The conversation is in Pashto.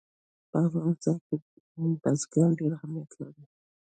په افغانستان کې بزګان ډېر اهمیت لري.